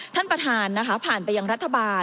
ท่านประธานนะคะผ่านไปยังรัฐบาล